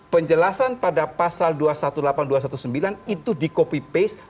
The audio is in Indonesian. penjelasan pada pasal dua ratus delapan belas dua ratus sembilan belas itu di copy paste